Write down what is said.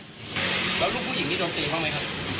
แล้วลูกผู้หญิงนี้โดนตีบ้างไหมครับ